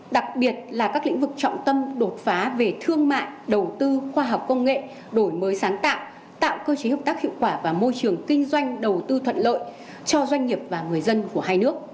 đặc biệt là các lĩnh vực trọng tâm đột phá về thương mại đầu tư khoa học công nghệ đổi mới sáng tạo tạo cơ chế hợp tác hiệu quả và môi trường kinh doanh đầu tư thuận lợi cho doanh nghiệp và người dân của hai nước